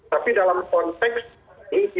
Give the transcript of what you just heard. tapi dalam konteks ini